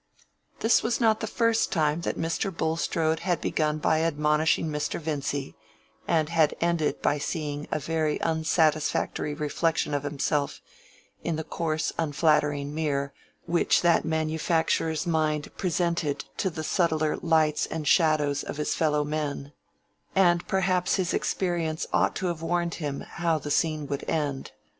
This was not the first time that Mr. Bulstrode had begun by admonishing Mr. Vincy, and had ended by seeing a very unsatisfactory reflection of himself in the coarse unflattering mirror which that manufacturer's mind presented to the subtler lights and shadows of his fellow men; and perhaps his experience ought to have warned him how the scene would end.